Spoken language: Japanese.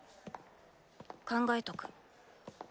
考えとく。